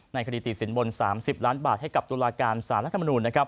คดีติดสินบน๓๐ล้านบาทให้กับตุลาการสารรัฐมนูลนะครับ